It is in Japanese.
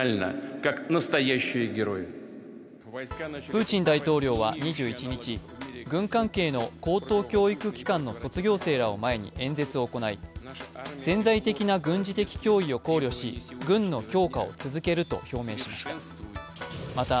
プーチン大統領は２１日、軍関係の高等教育機関の卒業生らを前に演説を行い、潜在的な軍事的脅威を考慮し軍の強化を続けると表明しました。